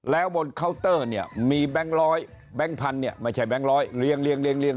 แล้วบนเคาน์เตอร์มีแบงค์ร้อยแบงค์พันธุ์ไม่ใช่แบงค์ร้อย